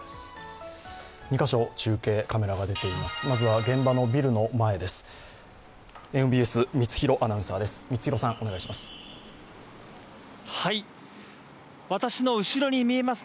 ２カ所、中継カメラが出ています。